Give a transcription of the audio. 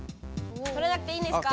とらなくていいんですか？